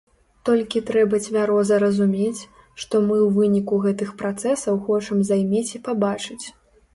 Толькі трэба цвяроза разумець, што мы ў выніку гэтых працэсаў хочам займець і пабачыць.